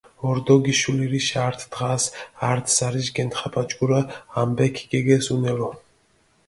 ორდო გიშულირიშ ართი დღას ართი ზარიშ გენთხაფაჯგურა ამბე ქიგეგეს უნელო.